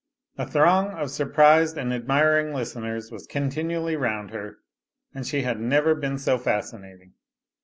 A throng of surprised and admiring listeners was continually round her, and she had never been so fascinating.